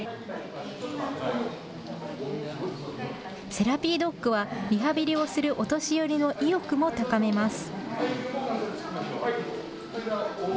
セラピードッグはリハビリをするお年寄りの意欲も高めます。